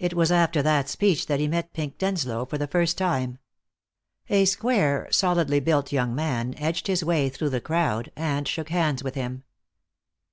It was after that speech that he met Pink Denslow for the first time. A square, solidly built young man edged his way through the crowd, and shook hands with him.